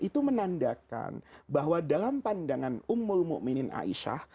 itu menandakan bahwa dalam pandangan ummul mu'minin aisyah